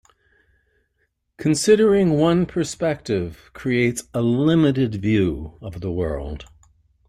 Considering one perspective creates a limited view of the world.